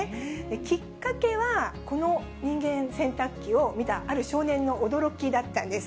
きっかけは、この人間洗濯機を見たある少年の驚きだったんです。